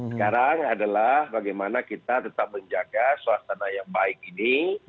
sekarang adalah bagaimana kita tetap menjaga suasana yang baik ini